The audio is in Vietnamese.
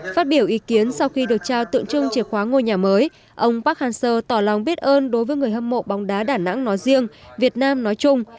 phát biểu ý kiến sau khi được trao tượng trưng chìa khóa ngôi nhà mới ông park han seo tỏ lòng biết ơn đối với người hâm mộ bóng đá đà nẵng nói riêng việt nam nói chung